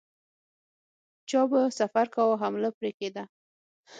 چا به سفر کاوه حمله پرې کېده.